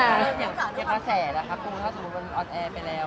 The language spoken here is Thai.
อย่างเมื่อแสล่ะค่ะปูถ้าสมมุติวันออนแอร์ไปแล้ว